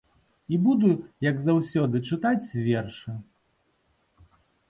І буду, як заўсёды, чытаць вершы.